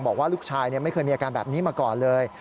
บอกว่าลูกชายไม่เคยมีอาการแบบนี้มาก่อนเลย